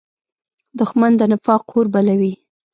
دښمن د نفاق اور بلوي